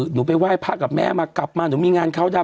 หนูไปไหว้พระกับแม่มากลับมาหนูมีงานเข้าได้